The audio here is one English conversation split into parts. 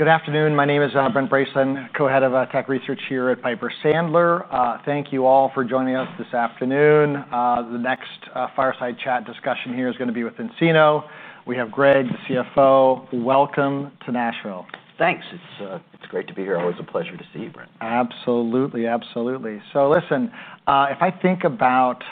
Good afternoon. My name is Brent Brayson, Co-Head of Tech Research here at Piper Sandler. Thank you all for joining us this afternoon. The next fireside chat discussion here is going to be with nCino. We have Greg, the CFO. Welcome to Nashville. Thanks. It's great to be here. Always a pleasure to see you, Brent. Absolutely, absolutely. If I think about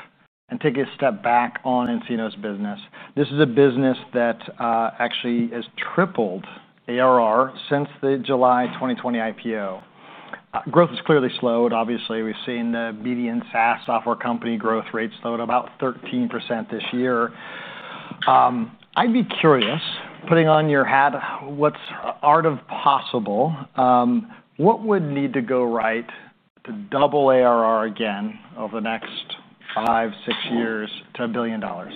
and take a step back on nCino's business, this is a business that actually has tripled ARR since the July 2020 IPO. Growth has clearly slowed. Obviously, we've seen the BD and SaaS software company growth rates slow at about 13% this year. I'd be curious, putting on your hat, what's the art of possible? What would need to go right to double ARR again over the next five, six years to a billion dollars?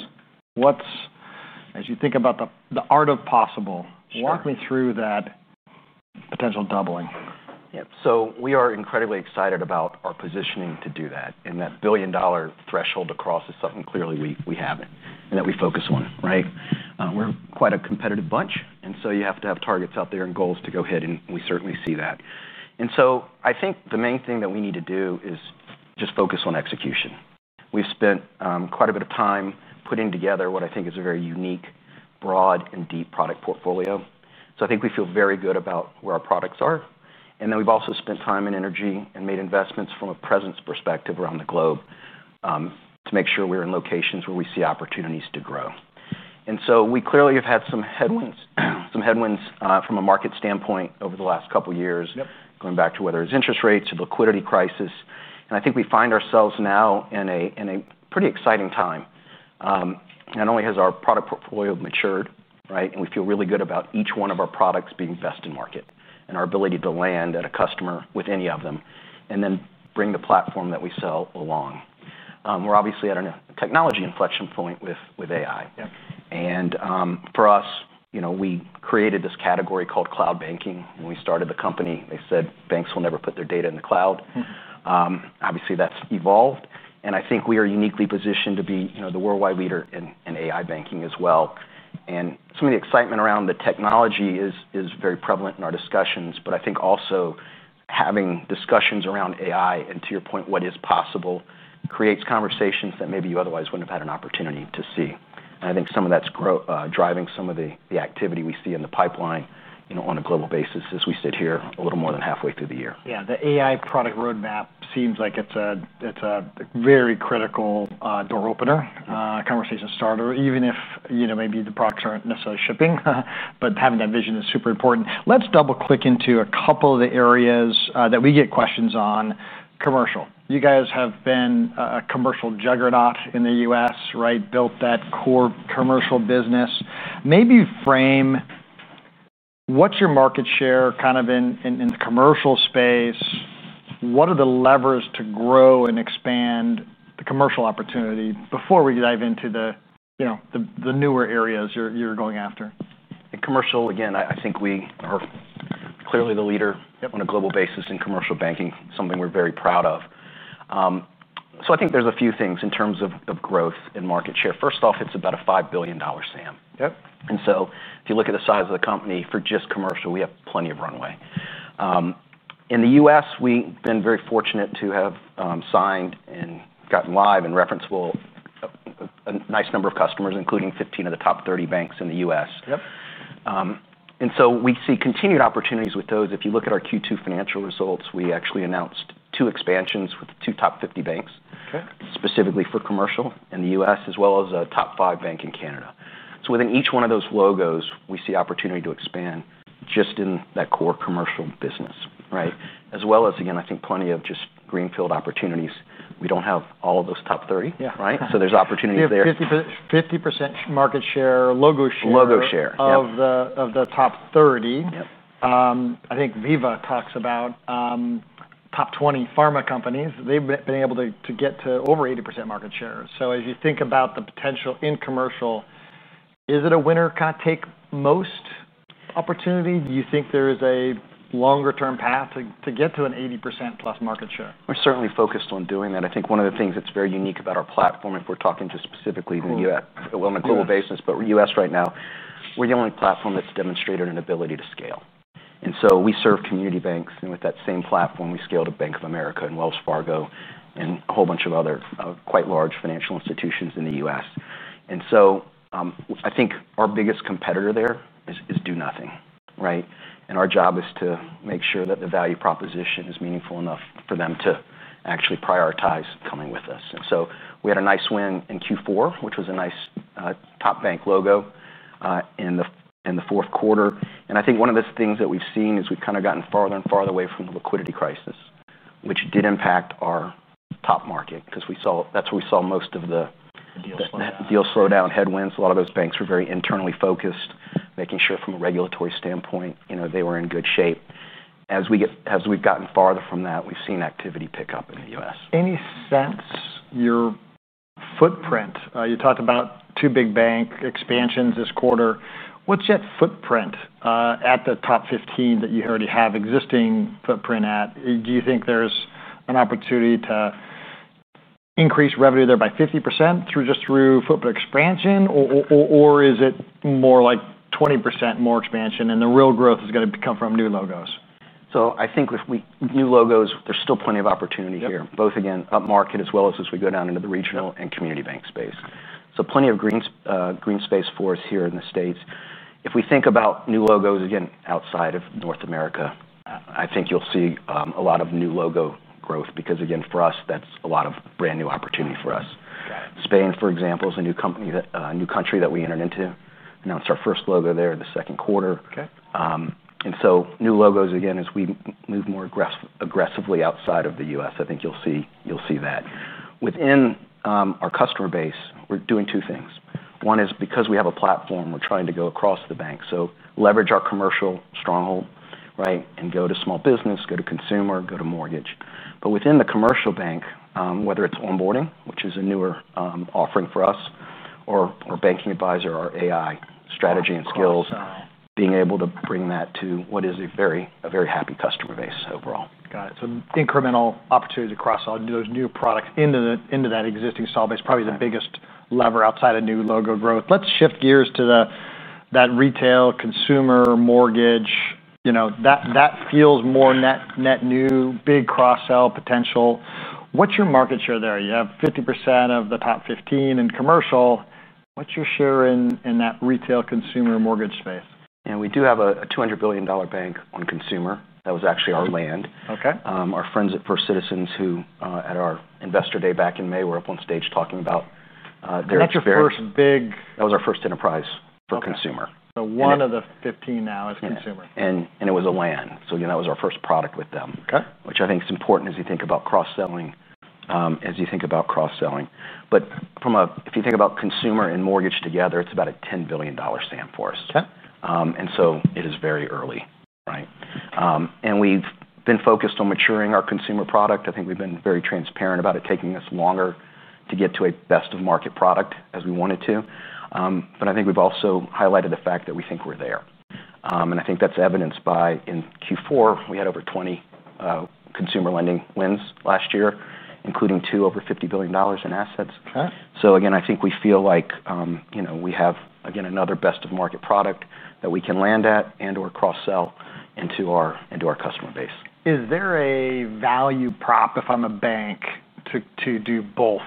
As you think about the art of possible, walk me through that potential doubling. Yeah, so we are incredibly excited about our positioning to do that. That billion dollar threshold to cross is something clearly we have and that we focus on, right? We're quite a competitive bunch. You have to have targets out there and goals to go ahead. We certainly see that. I think the main thing that we need to do is just focus on execution. We've spent quite a bit of time putting together what I think is a very unique, broad, and deep product portfolio. I think we feel very good about where our products are. We've also spent time and energy and made investments from a presence perspective around the globe to make sure we're in locations where we see opportunities to grow. We clearly have had some headwinds, some headwinds from a market standpoint over the last couple of years, going back to whether it's interest rates, the liquidity crisis. I think we find ourselves now in a pretty exciting time. Not only has our product portfolio matured, right, and we feel really good about each one of our products being best in market and our ability to land at a customer with any of them and then bring the platform that we sell along. We're obviously at a technology inflection point with AI. For us, you know, we created this category called cloud banking. When we started the company, they said banks will never put their data in the cloud. Obviously, that's evolved. I think we are uniquely positioned to be, you know, the worldwide leader in AI banking as well. Some of the excitement around the technology is very prevalent in our discussions. I think also having discussions around AI and to your point, what is possible creates conversations that maybe you otherwise wouldn't have had an opportunity to see. I think some of that's driving some of the activity we see in the pipeline, you know, on a global basis as we sit here a little more than halfway through the year. Yeah, the AI product roadmap seems like it's a very critical door opener, conversation starter, even if, you know, maybe the products aren't necessarily shipping. Having that vision is super important. Let's double click into a couple of the areas that we get questions on. Commercial. You guys have been a commercial juggernaut in the U.S., right? Built that core commercial business. Maybe frame what's your market share in the commercial space? What are the levers to grow and expand the commercial opportunity before we dive into the newer areas you're going after? In commercial, again, I think we are clearly the leader on a global basis in commercial banking, something we're very proud of. I think there's a few things in terms of growth in market share. First off, it's about a $5 billion SAM. If you look at the size of the company for just commercial, we have plenty of runway. In the U.S., we've been very fortunate to have signed and gotten live and referenceable a nice number of customers, including 15 of the top 30 banks in the U.S. We see continued opportunities with those. If you look at our Q2 financial results, we actually announced two expansions with two top 50 banks, specifically for commercial in the U.S., as well as a top five bank in Canada. Within each one of those logos, we see opportunity to expand just in that core commercial business, right? I think plenty of just greenfield opportunities. We don't have all of those top 30, right? There's opportunities there. 50% market share, logo share. Logo share. Of the top 30. I think Viva talks about top 20 pharma companies. They've been able to get to over 80% market share. As you think about the potential in commercial, is it a winner can take most opportunity? Do you think there is a longer term path to get to an 80%+ market share? We're certainly focused on doing that. I think one of the things that's very unique about our platform, if we're talking just specifically in the U.S., on a global basis, but U.S. right now, we're the only platform that's demonstrated an ability to scale. We serve community banks, and with that same platform, we scaled a Bank of America and Wells Fargo and a whole bunch of other quite large financial institutions in the U.S. I think our biggest competitor there is do nothing, right? Our job is to make sure that the value proposition is meaningful enough for them to actually prioritize coming with us. We had a nice win in Q4, which was a nice top bank logo in the fourth quarter. I think one of the things that we've seen is we've kind of gotten farther and farther away from the liquidity crisis, which did impact our top market because that's where we saw most of the deal slowdown headwinds. A lot of those banks were very internally focused, making sure from a regulatory standpoint they were in good shape. As we've gotten farther from that, we've seen activity pick up in the U.S. Any sense your footprint? You talked about two big bank expansions this quarter. What's your footprint at the top 15 that you already have existing footprint at? Do you think there's an opportunity to increase revenue there by 50% just through footprint expansion? Or is it more like 20% more expansion and the real growth is going to come from new logos? I think with new logos, there's still plenty of opportunity here, both again up market as well as as we go down into the regional and community bank space. There is plenty of green space for us here in the States. If we think about new logos, again, outside of North America, I think you'll see a lot of new logo growth because, again, for us, that's a lot of brand new opportunity for us. Spain, for example, is a new country that we entered into, announced our first logo there in the second quarter. New logos, again, as we move more aggressively outside of the U.S., I think you'll see that. Within our customer base, we're doing two things. One is because we have a platform, we're trying to go across the bank. Leverage our commercial stronghold, right, and go to small business, go to consumer, go to mortgage. Within the commercial bank, whether it's Onboarding, which is a newer offering for us, or Banking Advisor, our AI strategy and skills, being able to bring that to what is a very happy customer base overall. Got it. The incremental opportunity to cross all new products into that existing solve is probably the biggest lever outside of new logo growth. Let's shift gears to that retail, consumer, mortgage. That feels more net new, big cross-sell potential. What's your market share there? You have 50% of the top 15 in commercial. What's your share in that retail, consumer, mortgage space? We do have a $200 billion bank on consumer. That was actually our land. Our friends at First Citizens, who at our investor day back in May were up on stage talking about their first big, that was our first enterprise for consumer. One of the 15 now is consumer. It was a land. That was our first product with them, which I think is important as you think about cross-selling. If you think about consumer and mortgage together, it's about a $10 billion SAM for us. It is very early, right? We've been focused on maturing our consumer product. I think we've been very transparent about it taking us longer to get to a best of market product as we wanted to. I think we've also highlighted the fact that we think we're there. I think that's evidenced by in Q4, we had over 20 consumer lending wins last year, including two over $50 billion in assets. I think we feel like we have another best of market product that we can land at and/or cross-sell into our customer base. Is there a value prop if I'm a bank to do both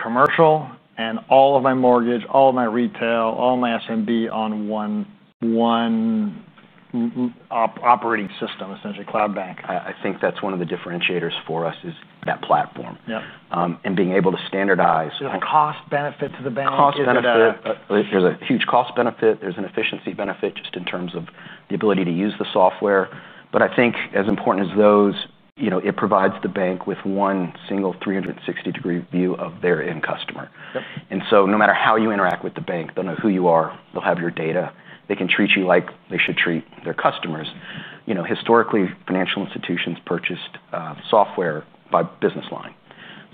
commercial and all of my mortgage, all of my retail, all of my SMB on one operating system, essentially cloud banking? I think that's one of the differentiators for us is that platform, and being able to standardize. There is cost benefit to the bank. There's a huge cost benefit. There's an efficiency benefit just in terms of the ability to use the software. I think as important as those, it provides the bank with one single 360-degree view of their end customer. No matter how you interact with the bank, they'll know who you are. They'll have your data. They can treat you like they should treat their customers. Historically, financial institutions purchased software by business line.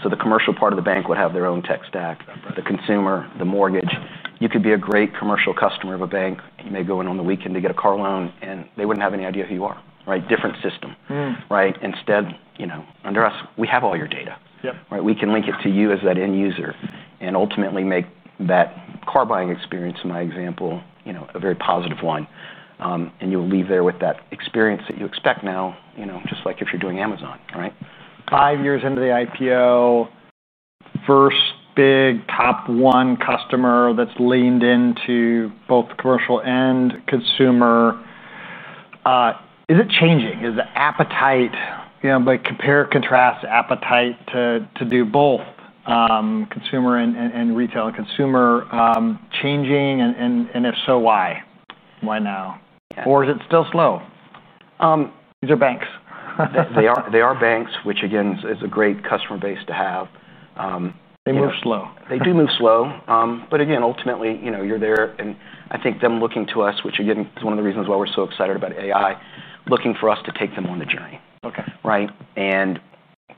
The commercial part of the bank would have their own tech stack. The consumer, the mortgage, you could be a great commercial customer of a bank. You may go in on the weekend to get a car loan and they wouldn't have any idea who you are, right? Different system, right? Instead, under us, we have all your data. We can link it to you as that end user and ultimately make that car buying experience, in my example, a very positive one. You'll leave there with that experience that you expect now, just like if you're doing Amazon, right? Five years into the IPO, first big top one customer that's leaned into both commercial and consumer. Is it changing? Is the appetite, you know, like compare and contrast appetite to do both consumer and retail and consumer changing? If so, why? Why now? Is it still slow? These are banks. They are banks, which again is a great customer base to have. They move slow. They do move slow. Ultimately, you know, you're there. I think them looking to us, which again is one of the reasons why we're so excited about AI, looking for us to take them on the journey. OK.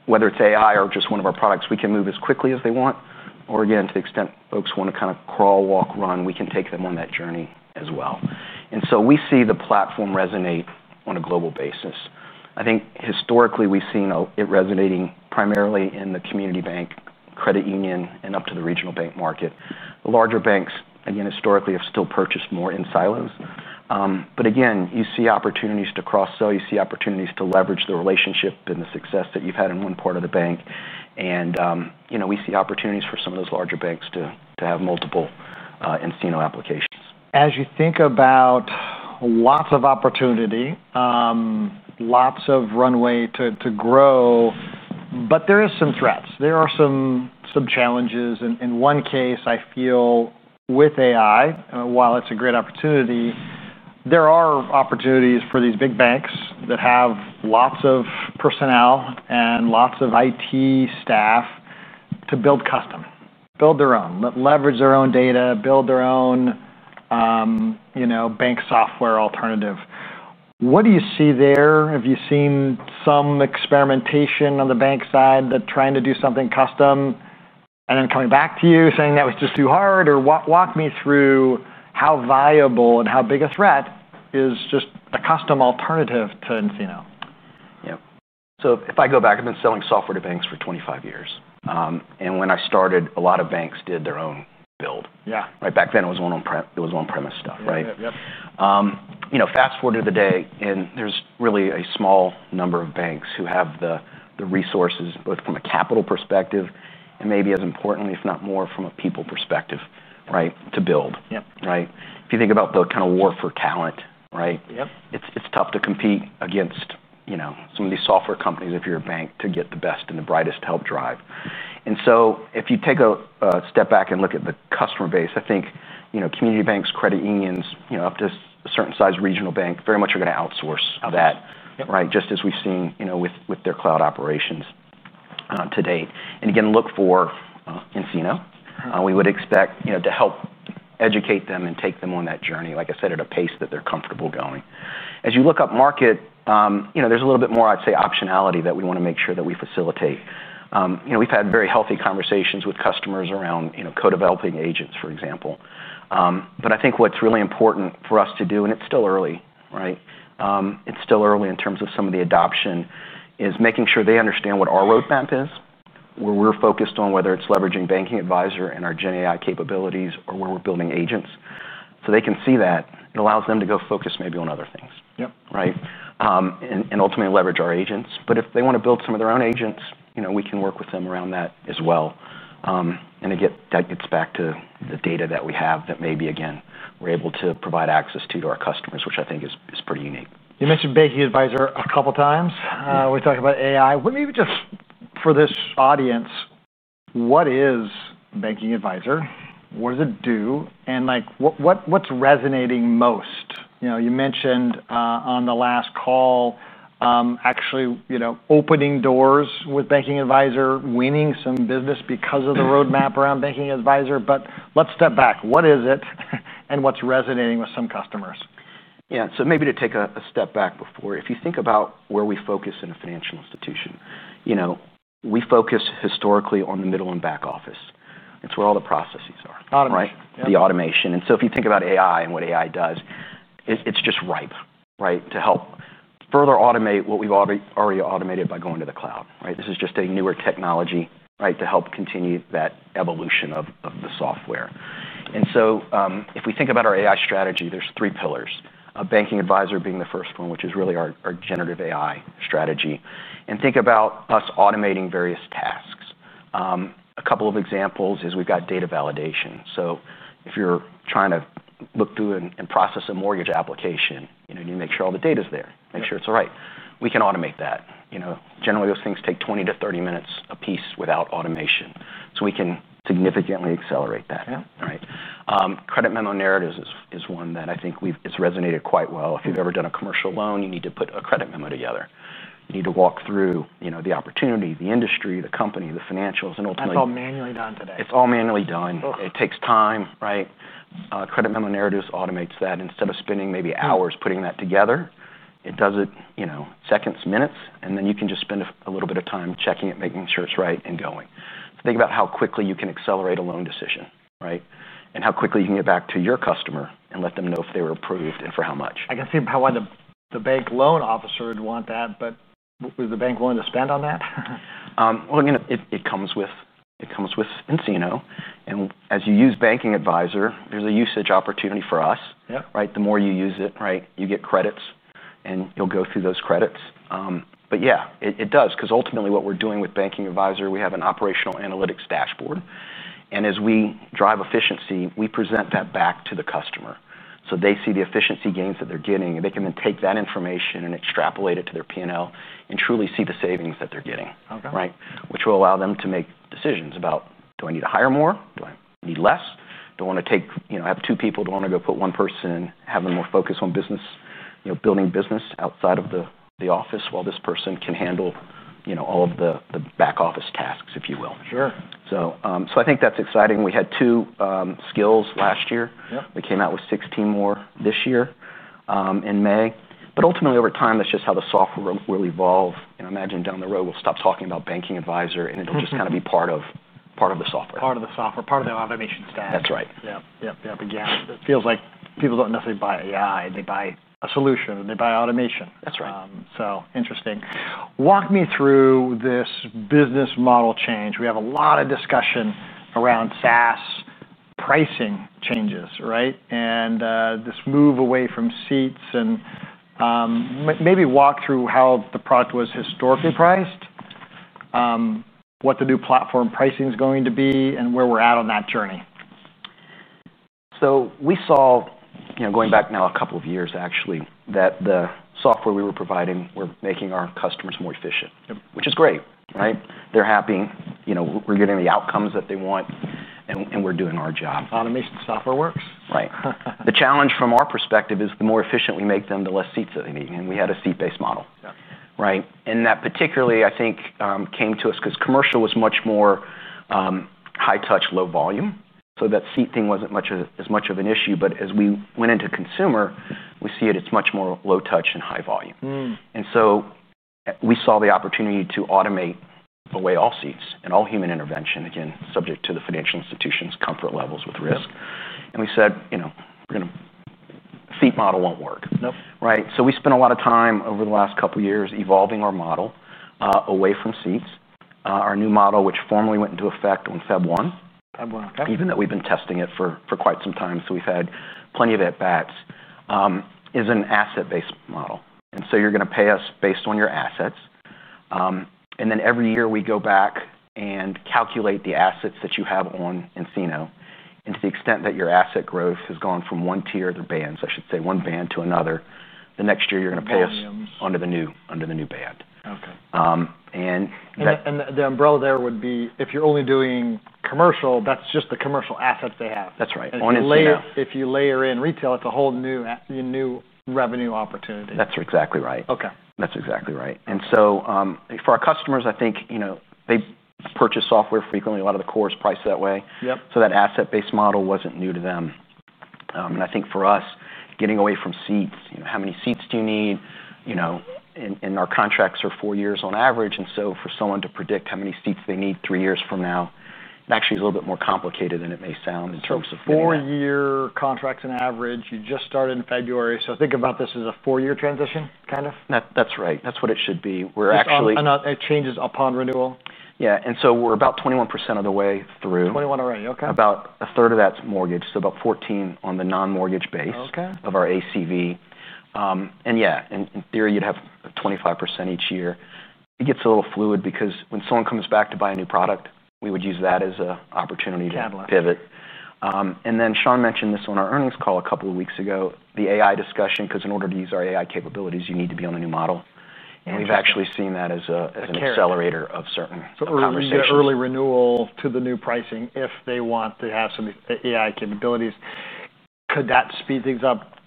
Whether it's AI or just one of our products, we can move as quickly as they want. To the extent folks want to kind of crawl, walk, run, we can take them on that journey as well. We see the platform resonate on a global basis. I think historically, we've seen it resonating primarily in the community bank, credit union, and up to the regional bank market. Larger banks historically have still purchased more in silos. You see opportunities to cross-sell. You see opportunities to leverage the relationship and the success that you've had in one part of the bank. We see opportunities for some of those larger banks to have multiple nCino applications. As you think about lots of opportunity, lots of runway to grow, there are some threats. There are some challenges. In one case, I feel with AI, while it's a great opportunity, there are opportunities for these big banks that have lots of personnel and lots of IT staff to build custom, build their own, leverage their own data, build their own, you know, bank software alternative. What do you see there? Have you seen some experimentation on the bank side that's trying to do something custom and then coming back to you saying that was just too hard? Walk me through how viable and how big a threat is just a custom alternative to nCino. Yeah. If I go back, I've been selling software to banks for 25 years. When I started, a lot of banks did their own build. Yeah. Right back then, it was on-premise stuff, right? Yep. You know, fast forward to today, and there's really a small number of banks who have the resources, both from a capital perspective and maybe as importantly, if not more, from a people perspective, right, to build. Yep. If you think about the kind of war for talent, right? Yep. It's tough to compete against, you know, some of these software companies if you're a bank to get the best and the brightest to help drive. If you take a step back and look at the customer base, I think, you know, community banks, credit unions, up to a certain size regional bank very much are going to outsource that, right? Just as we've seen with their cloud operations to date. For nCino, we would expect to help educate them and take them on that journey, like I said, at a pace that they're comfortable going. As you look up market, there's a little bit more, I'd say, optionality that we want to make sure that we facilitate. We've had very healthy conversations with customers around co-developing agents, for example. I think what's really important for us to do, and it's still early, right? It's still early in terms of some of the adoption, is making sure they understand what our roadmap is, where we're focused on whether it's leveraging Banking Advisor and our generative AI capabilities or where we're building agents. They can see that. It allows them to go focus maybe on other things. Yep. Right? Ultimately, leverage our agents. If they want to build some of their own agents, we can work with them around that as well. That gets back to the data that we have that maybe we're able to provide access to our customers, which I think is pretty unique. You mentioned Banking Advisor a couple of times. We're talking about AI. Maybe just for this audience, what is Banking Advisor? What does it do? What's resonating most? You mentioned on the last call, actually, opening doors with Banking Advisor, winning some business because of the roadmap around Banking Advisor. Let's step back. What is it? What's resonating with some customers? Yeah, maybe to take a step back, if you think about where we focus in a financial institution, you know, we focus historically on the middle and back office. It's where all the processes are. Automation. Right, the automation. If you think about AI and what AI does, it's just ripe, right, to help further automate what we've already automated by going to the cloud, right? This is just a newer technology, right, to help continue that evolution of the software. If we think about our AI strategy, there's three pillars. Banking Advisor being the first one, which is really our generative AI strategy. Think about us automating various tasks. A couple of examples is we've got data validation. If you're trying to look through and process a mortgage application, you know, you make sure all the data is there. Make sure it's all right. We can automate that. Generally, those things take 20 to 30 minutes apiece without automation. We can significantly accelerate that. Yeah. Right? Credit memo narratives is one that I think has resonated quite well. If you've ever done a commercial loan, you need to put a credit memo together. You need to walk through the opportunity, the industry, the company, the financials, and ultimately. That's all manually done today. It's all manually done. It takes time, right? Credit memo narratives automate that. Instead of spending maybe hours putting that together, it does it in seconds, minutes, and then you can just spend a little bit of time checking it, making sure it's right and going. Think about how quickly you can accelerate a loan decision, right? How quickly you can get back to your customer and let them know if they were approved and for how much. I can see how the bank loan officer would want that, but would the bank want to spend on that? It comes with nCino. As you use Banking Advisor, there's a usage opportunity for us, right? The more you use it, you get credits, and you'll go through those credits. It does, because ultimately what we're doing with Banking Advisor, we have an operational analytics dashboard. As we drive efficiency, we present that back to the customer. They see the efficiency gains that they're getting, and they can then take that information and extrapolate it to their P&L and truly see the savings that they're getting, right? Which will allow them to make decisions about, do I need to hire more? Do I need less? Do I want to take, you know, have two people? Do I want to go put one person in, have them more focused on business, you know, building business outside of the office while this person can handle, you know, all of the back office tasks, if you will. Sure. I think that's exciting. We had two skills last year. We came out with 16 more this year in May. Ultimately, over time, that's just how the software will evolve. I imagine down the road, we'll stop talking about Banking Advisor, and it'll just kind of be part of the software. Part of the software, part of the automation stack. That's right. It feels like people don't necessarily buy AI. They buy a solution. They buy automation. That's right. Interesting. Walk me through this business model change. We have a lot of discussion around SaaS pricing changes, right? This move away from seats and maybe walk through how the product was historically priced, what the new platform pricing is going to be, and where we're at on that journey. We saw, going back now a couple of years, actually, that the software we were providing was making our customers more efficient, which is great, right? They're happy. We're getting the outcomes that they want, and we're doing our job. Automation software works. Right. The challenge from our perspective is the more efficient we make them, the less seats that they need. We had a seat-based model, right? That particularly, I think, came to us because commercial was much more high touch, low volume. That seat thing wasn't as much of an issue. As we went into consumer, we see it, it's much more low touch and high volume. We saw the opportunity to automate away all seats and all human intervention, again, subject to the financial institution's comfort levels with risk. We said, you know, our seat model won't work. Nope. Right? We spent a lot of time over the last couple of years evolving our model away from seats. Our new model, which formally went into effect on February 1. Feb 1. Even though we've been testing it for quite some time, we've had plenty of at-bats, it is an asset-based model. You're going to pay us based on your assets. Every year, we go back and calculate the assets that you have on nCino. To the extent that your asset growth has gone from one tier of the bands, I should say, one band to another, the next year, you're going to pay us under the new band. OK. And. The umbrella there would be if you're only doing commercial, that's just the commercial assets they have. That's right. If you layer in retail, it's a whole new revenue opportunity. That's exactly right. OK. That's exactly right. For our customers, I think they purchase software frequently. A lot of the core is priced that way. Yep. That asset-based model wasn't new to them. I think for us, getting away from seats, you know, how many seats do you need? You know, our contracts are four years on average. For someone to predict how many seats they need three years from now, it actually is a little bit more complicated than it may sound in terms of four. Four-year contracts on average. You just started in February, so think about this as a four-year transition, kind of. That's right. That's what it should be. We're actually. It changes upon renewal. Yeah, we're about 21% of the way through. 21 already. OK. About a third of that's mortgage, so about $14 million on the non-mortgage base. OK. Of our ACV. In theory, you'd have 25% each year. It gets a little fluid because when someone comes back to buy a new product, we would use that as an opportunity to pivot. Sean mentioned this on our earnings call a couple of weeks ago, the AI discussion, because in order to use our AI capabilities, you need to be on the new model. We've actually seen that as an accelerator of certain conversations. Early renewal to the new pricing if they want to have some AI capabilities. Could that speed things up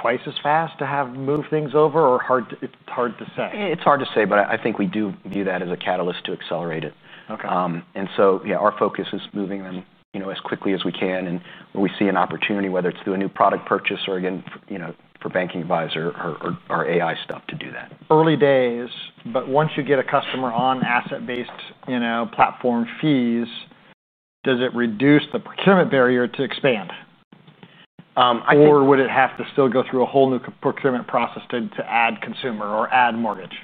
twice as fast to have move things over, or it's hard to say? It's hard to say, but I think we do view that as a catalyst to accelerate it. OK. Our focus is moving them, you know, as quickly as we can. When we see an opportunity, whether it's through a new product purchase or, again, you know, for Banking Advisor or our AI stuff to do that. Early days, but once you get a customer on asset-based, you know, platform fees, does it reduce the procurement barrier to expand? Would it have to still go through a whole new procurement process to add consumer or add mortgage?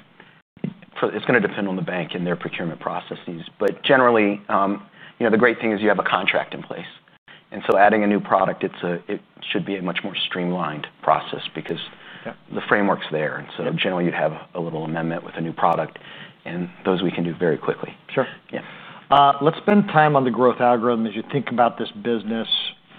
It's going to depend on the bank and their procurement processes. Generally, you know, the great thing is you have a contract in place, so adding a new product should be a much more streamlined process because the framework's there. Generally, you'd have a little amendment with a new product, and those we can do very quickly. Sure. Yeah. Let's spend time on the growth algorithm as you think about this business.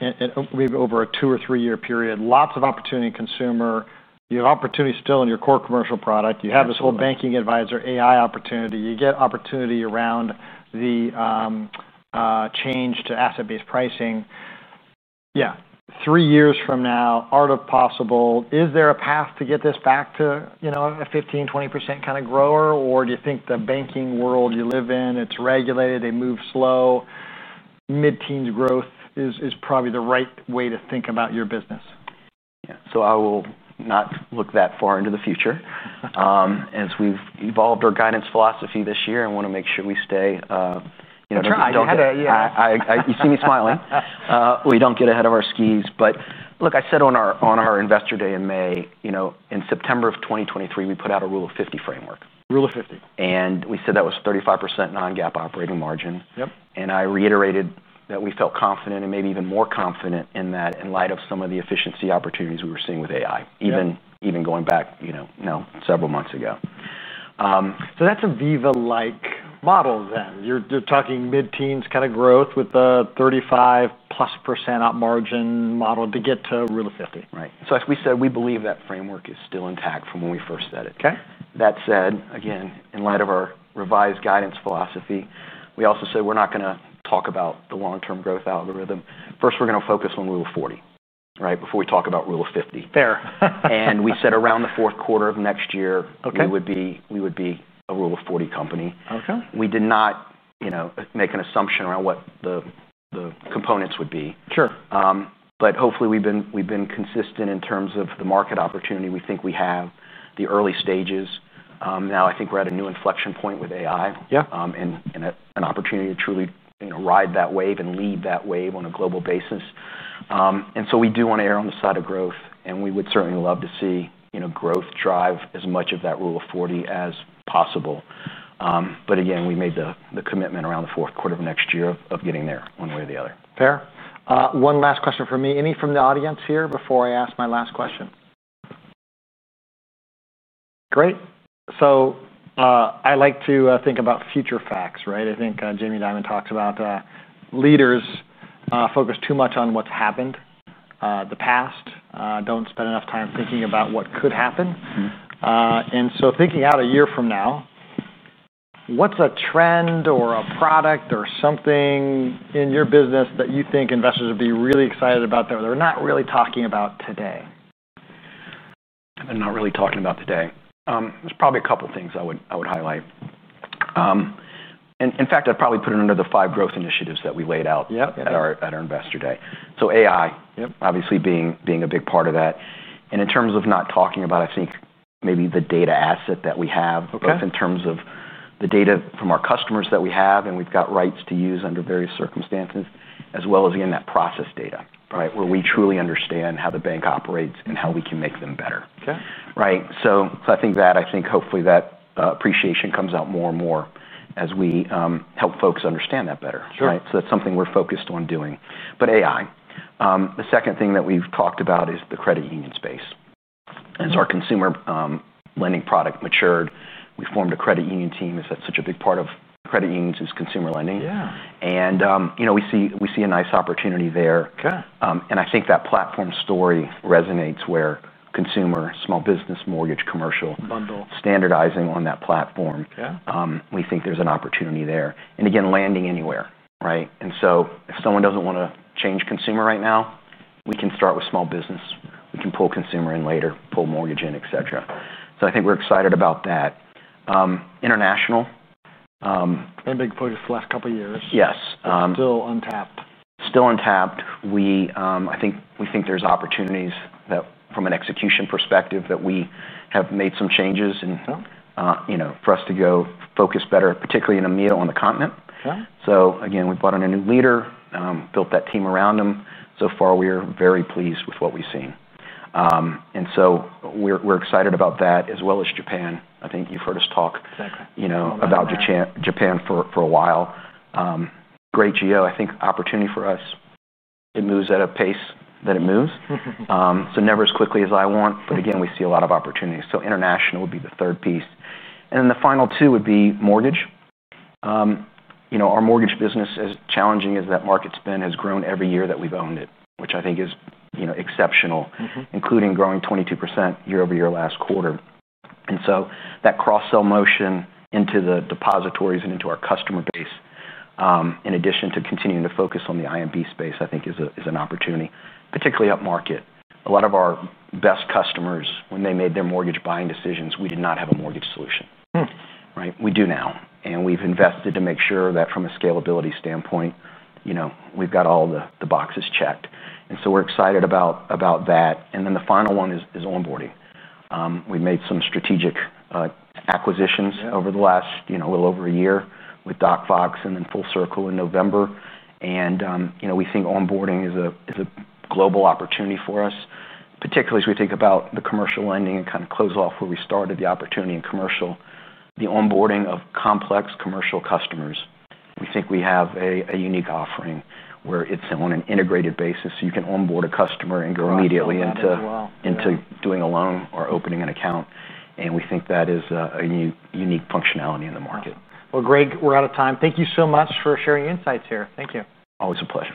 We have, over a two or three-year period, lots of opportunity consumer. You have opportunity still in your core commercial product. You have this whole Banking Advisor AI opportunity. You get opportunity around the change to asset-based pricing. Three years from now, art of possible, is there a path to get this back to, you know, a 15%, 20% kind of grower? Do you think the banking world you live in, it's regulated, they move slow? Mid-teens growth is probably the right way to think about your business. Yeah. I will not look that far into the future. As we've evolved our guidance philosophy this year, I want to make sure we stay. You're trying to get ahead of that, yeah. You see me smiling. We don't get ahead of our skis. Look, I said on our investor day in May, you know, in September of 2023, we put out a rule of 50 framework. Rule of 50. We said that was 35% non-GAAP operating margin. Yep. I reiterated that we felt confident and maybe even more confident in that in light of some of the efficiency opportunities we were seeing with AI, even going back several months ago. That's a Viva-like model then. You're talking mid-teens kind of growth with a 35%+ margin model to get to rule of 50. Right. As we said, we believe that framework is still intact from when we first said it. OK. That said, again, in light of our revised guidance philosophy, we also said we're not going to talk about the long-term growth algorithm. First, we're going to focus on rule of 40, right, before we talk about rule of 50. Fair. We said around the fourth quarter of next year, we would be a rule of 40 company. OK. We did not make an assumption around what the components would be. Sure. Hopefully, we've been consistent in terms of the market opportunity we think we have, the early stages. Now, I think we're at a new inflection point with AI. Yep. An opportunity to truly, you know, ride that wave and lead that wave on a global basis. We do want to err on the side of growth, and we would certainly love to see, you know, growth drive as much of that rule of 40 as possible. Again, we made the commitment around the fourth quarter of next year of getting there one way or the other. Fair. One last question from me. Any from the audience here before I ask my last question? Great. I like to think about future facts, right? I think Jamie Dimon talks about leaders focus too much on what's happened in the past, don't spend enough time thinking about what could happen. Thinking out a year from now, what's a trend or a product or something in your business that you think investors would be really excited about that they're not really talking about today? They're not really talking about today. There's probably a couple of things I would highlight. I'd probably put it under the five growth initiatives that we laid out at our investor day. AI, obviously being a big part of that. In terms of not talking about, I think maybe the data asset that we have, both in terms of the data from our customers that we have, and we've got rights to use under various circumstances, as well as, again, that process data, where we truly understand how the bank operates and how we can make them better. OK. Right. I think that hopefully that appreciation comes out more and more as we help folks understand that better. Sure. Right. That's something we're focused on doing. AI. The second thing that we've talked about is the credit union space. As our consumer lending product matured, we formed a credit union team. That's such a big part of credit unions is consumer lending. Yeah. We see a nice opportunity there. OK. I think that platform story resonates where consumer, small business, mortgage, commercial. Bundle. Standardizing on that platform. Yeah. We think there's an opportunity there. Again, landing anywhere, right? If someone doesn't want to change consumer right now, we can start with small business. We can pull consumer in later, pull mortgage in, et cetera. I think we're excited about that. International. A big push the last couple of years. Yes. Still untapped. Still untapped. I think we think there's opportunities from an execution perspective that we have made some changes, and for us to go focus better, particularly in the middle on the continent. Yeah. We brought in a new leader, built that team around them. We are very pleased with what we've seen. We are excited about that, as well as Japan. I think you've heard us talk about Japan for a while. Great geo, I think opportunity for us. It moves at a pace that it moves, never as quickly as I want. We see a lot of opportunities. International would be the third piece. The final two would be mortgage. Our mortgage business, as challenging as that market's been, has grown every year that we've owned it, which I think is exceptional, including growing 22% year over year last quarter. That cross-sell motion into the depositories and into our customer base, in addition to continuing to focus on the IMB space, I think is an opportunity, particularly up market. A lot of our best customers, when they made their mortgage buying decisions, we did not have a mortgage solution. We do now. We've invested to make sure that from a scalability standpoint, we've got all the boxes checked. We are excited about that. The final one is onboarding. We've made some strategic acquisitions over the last little over a year with DocFox and then Full Circle in November. We think onboarding is a global opportunity for us, particularly as we think about the commercial lending and kind of close off where we started the opportunity in commercial, the onboarding of complex commercial customers. We think we have a unique offering where it's on an integrated basis. You can onboard a customer and go immediately into doing a loan or opening an account. We think that is a unique functionality in the market. Greg, we're out of time. Thank you so much for sharing your insights here. Thank you. Always a pleasure.